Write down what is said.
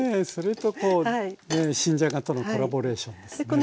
それと新じゃがとのコラボレーションですね。